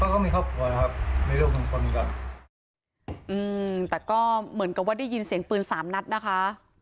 อืมแต่ก็เหมือนกันว่าได้ยินเสียงปืน๓นัดนะคะ